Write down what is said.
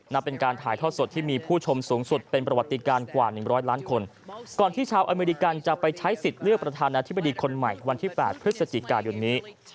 นับเป็นการถ่ายทอดสดที่มีผู้ชมสูงสุดเป็นประวัติการกว่า๑๐๐ล้านคนก่อนที่ชาวอเมริกันจะไปใช้สิทธิ์เลือกประธานาธิบดีคนใหม่วันที่๘พฤศจิกายนนี้